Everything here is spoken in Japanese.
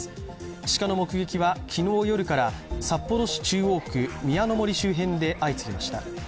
鹿の目撃は昨日夜から札幌市中央区宮の森周辺で相次ぎました。